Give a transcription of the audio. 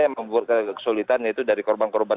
yang membuat kesulitan yaitu dari korban korban